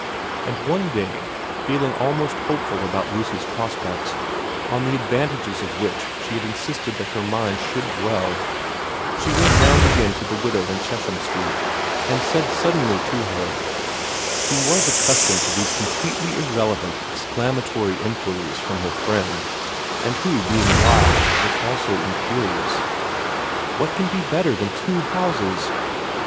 And one day, feeling almost hopeful about Lucy's prospects, on the advantages of which she had insisted that her mind should dwell, she went round again to the widow in Chesham Street and said suddenly to her, who was accustomed to these completely irrelevant exclamatory inquiries from her friend, and who being wise was also incurious, ' What can be better than two houses